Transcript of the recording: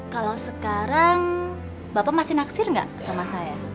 kalau sekarang bapak masih naksir nggak sama saya